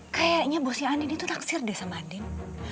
kayaknya bosnya andin itu naksir deh sama andin